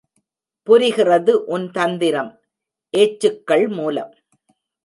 புரிகிறது உன் தந்திரம் ஏச்சுக்கள் மூலம்.